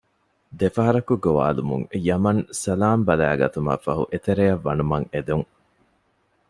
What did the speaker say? ދެފަހަރަކު ގޮވާލުމުން ޔަމަން ސަލާމް ބަލައިގަތުމަށް ފަހު އެތެރެއަށް ވަނުމަށް އެދުން